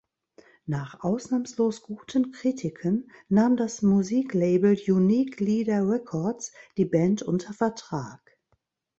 Nach ausnahmslos guten Kritiken nahm das Musiklabel Unique Leader Records die Band unter Vertrag.